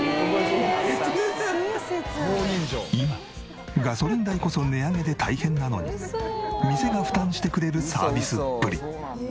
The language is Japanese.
今ガソリン代こそ値上げで大変なのに店が負担してくれるサービスっぷり。